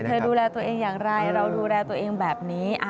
ดูแลตัวเองอย่างไรเราดูแลตัวเองแบบนี้